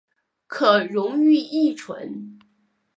可溶于乙醇。